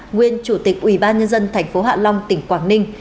nguyên chủ tịch ubnd tp hạ long tỉnh quảng ninh